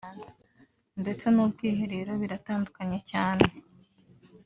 ndetse n’ubwiherero biratandukanye cyane